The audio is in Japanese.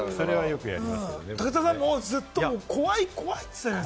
武田さん、ずっと怖い怖いって言ってた。